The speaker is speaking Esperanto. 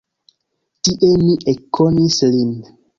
Tie mi ekkonis lin.